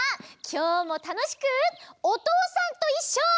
きょうもたのしく「おとうさんといっしょ」。